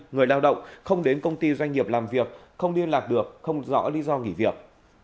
người lao động không đến công ty doanh nghiệp làm việc không liên lạc được không rõ lý do nghỉ việc